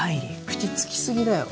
口つきすぎだよ